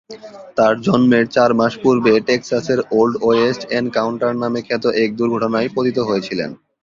তার জন্মের চার মাস পূর্বে টেক্সাসের ওল্ড ওয়েস্ট এনকাউন্টার নামে খ্যাত এক দুর্ঘটনায় পতিত হয়েছিলেন।